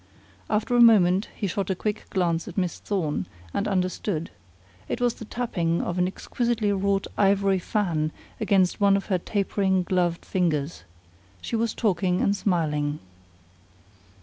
After a moment he shot a quick glance at Miss Thorne and understood; it was the tapping of an exquisitely wrought ivory fan against one of her tapering, gloved fingers. She was talking and smiling.